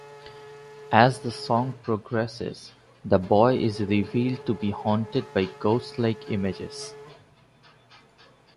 As the song progresses, the boy is revealed to be haunted by ghost-like images.